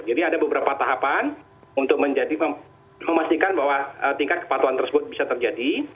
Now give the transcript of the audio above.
jadi ada beberapa tahapan untuk memastikan bahwa tingkat kepatuhan tersebut bisa terjadi